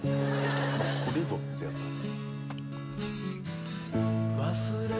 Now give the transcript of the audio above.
これぞってやつだね